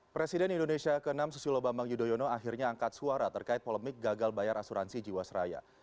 presiden indonesia ke enam susilo bambang yudhoyono akhirnya angkat suara terkait polemik gagal bayar asuransi jiwasraya